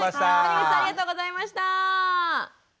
谷口さんありがとうございました。